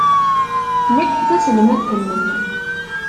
Nekk d taselmadt-nnem.